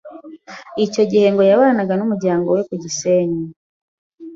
Icyo yihe ngo yabanaga n’umuryango we ku Gisenyi